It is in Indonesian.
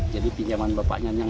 jadi pinjaman bapaknya